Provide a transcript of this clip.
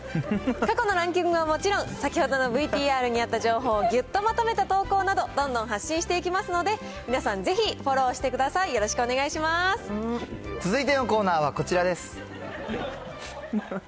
過去のランキングはもちろん、先ほどのＶＴＲにもあった情報をぎゅっとまとめた投稿など、どんどん発信していきますので、皆さんぜひ、フォローしてください、続いてのコーナーはこちらです。